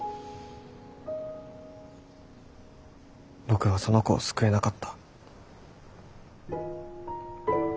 僕はその子を救えなかった。